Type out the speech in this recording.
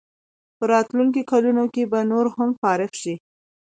په راتلونکو کلونو کې به نور هم فارغ شي.